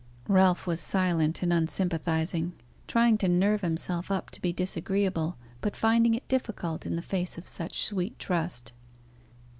Ralph was silent and unsympathising, trying to nerve himself up to be disagreeable, but finding it difficult in the face of such sweet trust.